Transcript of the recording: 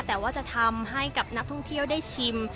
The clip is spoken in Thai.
แต่ว่าจะทำให้กับนักท่องเที่ยวได้ชิม